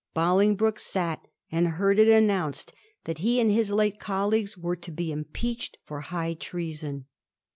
Bolingbroke sat and heard it announced that he and his late colleague were to be impeached for high treason.